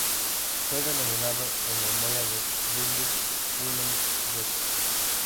Fue denominado en memoria de Friedrich Wilhelm Bessel.